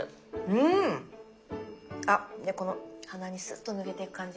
うん！あっでこの鼻にすっと抜けていく感じが。